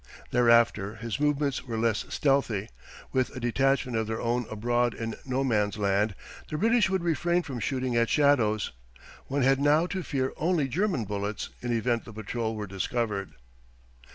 Thereafter his movements were less stealthy; with a detachment of their own abroad in No Man's Land, the British would refrain from shooting at shadows. One had now to fear only German bullets in event the patrol were discovered.